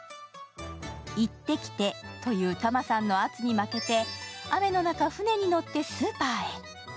行ってきてというタマさんの圧に負けて、雨の中、船に乗ってスーパーへ。